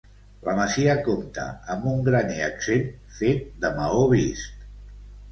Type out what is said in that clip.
La masia compta amb un graner exempt fet de maó vist.